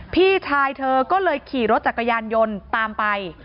พี่ชายเธอก็เลยขี่รถจักรยานยนต์ตามไป